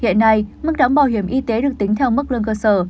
hiện nay mức đóng bảo hiểm y tế được tính theo mức lương cơ sở